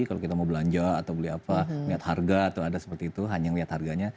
kalau kita mau belanja atau beli apa lihat harga atau ada seperti itu hanya melihat harganya